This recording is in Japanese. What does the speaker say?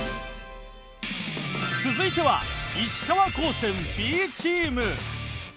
続いては石川高専Ｂチーム。